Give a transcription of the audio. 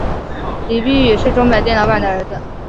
李弼雨是钟表店老板的儿子。